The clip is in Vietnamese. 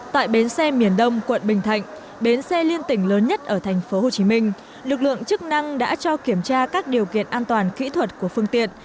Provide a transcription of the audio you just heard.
tại bến xe miền đông quận bình thạnh bến xe liên tỉnh lớn nhất ở tp hcm lực lượng chức năng đã cho kiểm tra các điều kiện an toàn kỹ thuật của phương tiện